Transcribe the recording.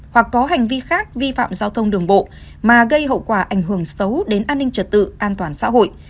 hoặc có hành vi khác vi phạm giao thông đường bộ mà gây hậu quả ảnh hưởng xấu đến an ninh trật tự an toàn xã hội